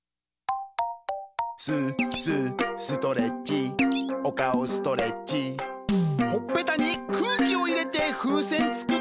「ス、ス、ストレッチＯＫＡＯストレッチ」「ほっぺたに空気を入れて風船作って」